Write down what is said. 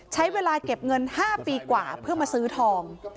ใช้เวลาเก็บเงิน๕ปีกว่าเพื่อมาซื้อทอง